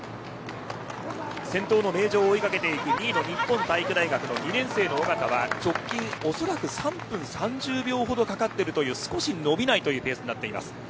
先頭の名城を追い掛けていく２位の日本体育大学の２年生の尾方は直近おそらく３分３０秒ほどかかっているという少し伸びないというペースになっています。